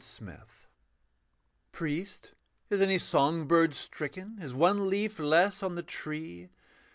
THE OUTLAW Priest, is any song bird stricken? Is one leaf less on the tree?